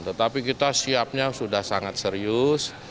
tetapi kita siapnya sudah sangat serius